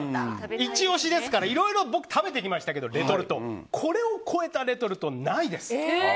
イチ押しですから僕、いろいろ食べてきましたけどこれを超えたレトルトはないです。